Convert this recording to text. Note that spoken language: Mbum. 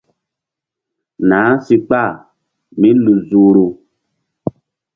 Nah si kpah mí lu zuhru.